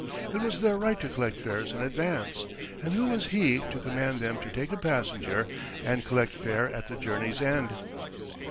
It was their right to collect fares in advance, and who was he to command them to take a passenger and collect fare at the journey's end?